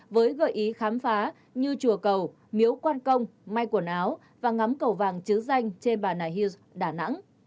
với gợi ý khám phá như chùa cầu miếu quan công may quần áo và ngắm cầu vàng chứa danh trên bà nài hưu đà nẵng